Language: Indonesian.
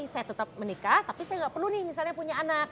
saya tetap menikah tapi saya nggak perlu nih misalnya punya anak